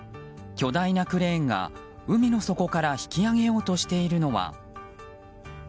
巨大なクレーンが海の底から引き上げようとしているのは。